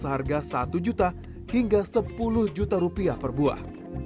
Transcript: seharga satu juta hingga sepuluh juta rupiah per buah